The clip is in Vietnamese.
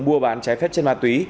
mua bán trái phép chất ma túy